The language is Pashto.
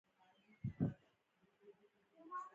دلته د ثابتې او متغیرې پانګې په اړه بحث کوو